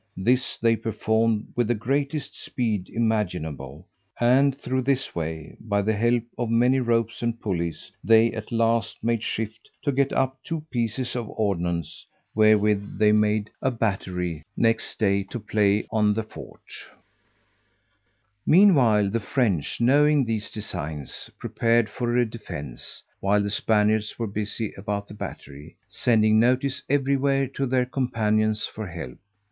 This they performed with the greatest speed imaginable; and through this way, by the help of many ropes and pulleys, they at last made shift to get up two pieces of ordnance, wherewith they made a battery next day, to play on the fort. Meanwhile, the French knowing these designs, prepared for a defence (while the Spaniards were busy about the battery) sending notice everywhere to their companions for help.